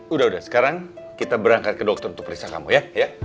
udah udah sekarang kita berangkat ke dokter untuk periksa kamu ya